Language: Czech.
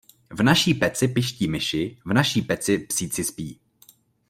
V naší peci piští myši, v naší peci psíci spí.